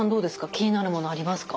気になるものありますか？